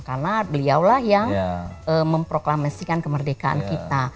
karena beliaulah yang memproklamasikan kemerdekaan kita